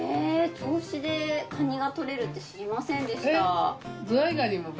銚子でカニが獲れるって知りませんでした。